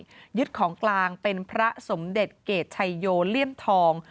ยึดของกลางเป็นพระสมเด็จเกรดชัยโยเลี่ยมทอง